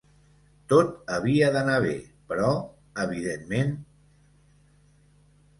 Tot havia d'anar bé, però evidentment…